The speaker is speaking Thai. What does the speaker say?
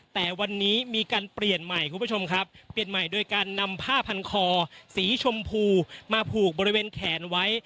แต่วันนี้มีการเปลี่ยนใหม่คุณผู้ชมครับเปลี่ยนใหม่โดยการนำผ้าพันคอสีชมพูมาผูกบริเวณแขนไว้